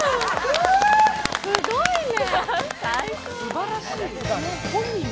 すごいね。